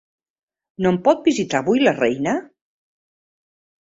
No em pot visitar avui la reina?